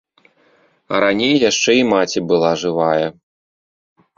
А раней яшчэ і маці была жывая.